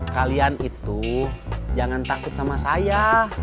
kalian itu jangan takut sama saya